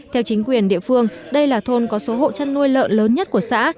theo chính quyền địa phương đây là thôn có số hộ chăn nuôi lợn lớn nhất của xã